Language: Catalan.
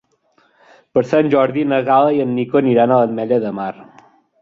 Per Sant Jordi na Gal·la i en Nico aniran a l'Ametlla de Mar.